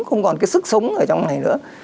không còn cái sức sống ở trong này nữa